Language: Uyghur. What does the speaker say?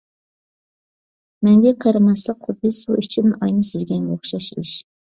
مەڭگۈ قېرىماسلىق خۇددى سۇ ئىچىدىن ئاينى سۈزگەنگە ئوخشاش ئىش.